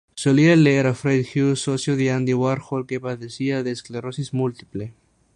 Solía leer a Fred Hughes, socio de Andy Warhol que padecía de esclerosis múltiple.